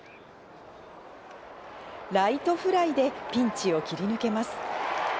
ライトフライでピンチを切り抜けます。